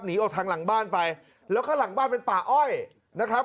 หนีออกทางหลังบ้านไปแล้วก็หลังบ้านเป็นป่าอ้อยนะครับ